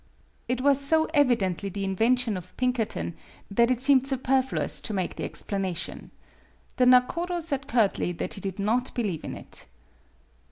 " It was so evidently the invention of Pin kerton that it seemed superfluous to make MADAME BUTTERFLY 33 the explanation. The nakodo said curtly that he did not believe it.